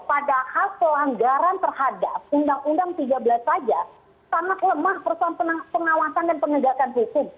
pada hal kelanggaran terhadap undang undang tiga belas saja sangat lemah persoalan pengawasan dan pengegakan perusahaan